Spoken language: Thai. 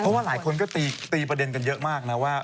เพราะว่าหลายคนก็ตีประเด็นกันเยอะมากนะว่า